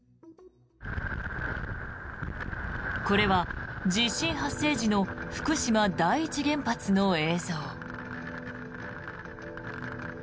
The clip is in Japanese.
これは地震発生時の福島第一原発の映像。